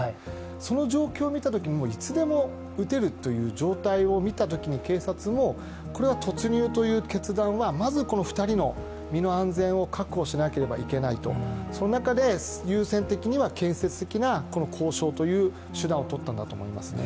その状況を見たときにいつでも撃てるという状態を見たときに警察もこれは突入という決断は、まずこの２人の身の安全を確保しなければいけないと、その中で優先的には建設的な交渉という手段をとったんだと思いますね。